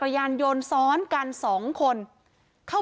ยยยยยยยย